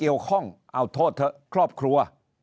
เอาโทษเถอะครอบครัว